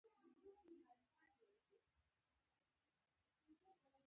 په شپاړس سوه اووه کال کې ښار په جوړېدو پیل شو.